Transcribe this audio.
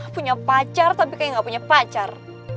punya pacar tapi kayak gak punya pacar